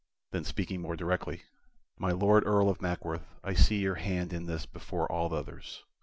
Then speaking more directly: "My Lord Earl of Mackworth, I see your hand in this before all others.